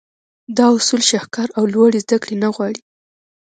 دا اصول شهکار او لوړې زدهکړې نه غواړي.